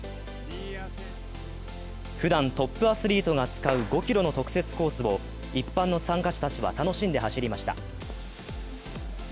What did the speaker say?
ふだんトップアスリートが使う５ｋｍの特設コースを一般参加者たちは楽しんで走りました。